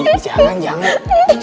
ih jangan jangan